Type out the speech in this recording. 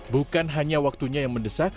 bukan hanya waktunya yang mendesak